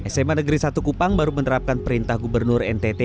sma negeri satu kupang baru menerapkan perintah gubernur ntt